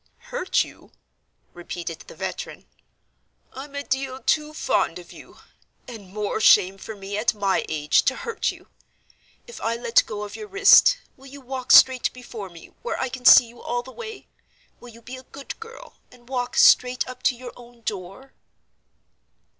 "Hurt you?" repeated the veteran. "I'm a deal too fond of you—and more shame for me at my age!—to hurt you. If I let go of your wrist, will you walk straight before me, where I can see you all the way? Will you be a good girl, and walk straight up to your own door?"